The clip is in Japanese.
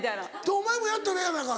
お前もやったらええやないか。